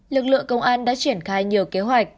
lực lượng công an đã triển khai nhiều kế hoạch